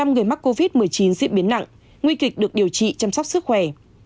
một mươi người mắc covid một mươi chín diễn biến nặng nguy kịch được điều trị chăm sóc sức khỏe